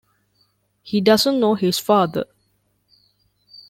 He doesn't know his father.